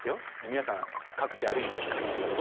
皆さん各地歩いて確認してください。